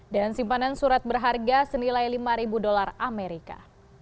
dan simpanan surat berharga senilai lima ribu dolar amerika